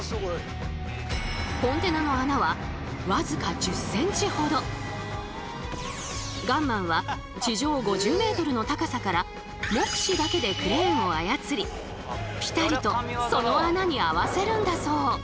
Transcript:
コンテナのガンマンは地上５０ｍの高さから目視だけでクレーンを操りピタリとその穴に合わせるんだそう。